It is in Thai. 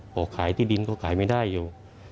พอขายที่ดินก็ขายไม่ได้อยู่